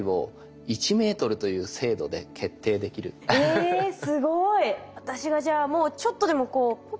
えすごい。